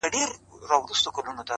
خو هيڅ حل نه پيدا کيږي,